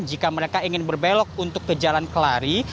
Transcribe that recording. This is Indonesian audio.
jika mereka ingin berbelok untuk ke jalan kelari